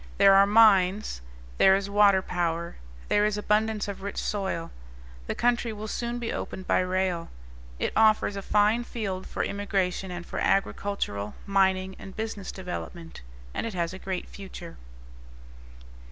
There are mines; there is water power; there is abundance of rich soil. The country will soon be opened by rail. It offers a fine field for immigration and for agricultural, mining, and business development; and it has a great future.